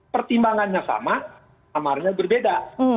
pertimbangannya sama amarnya berbeda